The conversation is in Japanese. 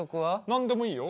何でもいいよ。